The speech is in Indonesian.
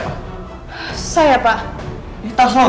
dava yang pernah bilang